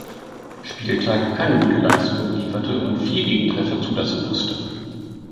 Spieltag keine gute Leistung lieferte und vier Gegentreffer zulassen musste.